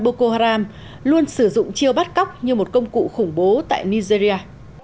boko haram luôn sử dụng chiêu bắt cóc như một công cụ khủng bố tại nigeria